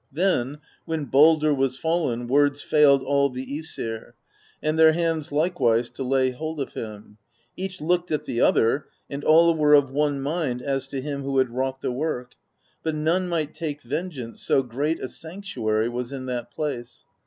"Then, when Baldr was fallen, words failed all the^Esir, and their hands likewise to lay hold of him; each looked at the other, and all were of one mind as to him who had wrought the work, but none might take vengeance, so great a sanctuary was in that place.